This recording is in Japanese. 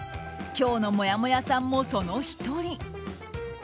今日のもやもやさんも、その１人。